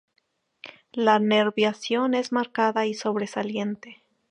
La nerviación es marcada y sobresaliente.